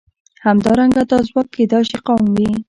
همدارنګه دا ځواک کېدای شي قوم وي.